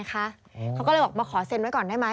เขาก็เลยบอกมาขอเซ็นไว้ก่อนได้ไหม